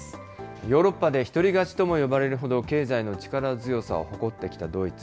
ヨーロッパで１人勝ちとも呼ばれるほど、経済の力強さを誇ってきたドイツ。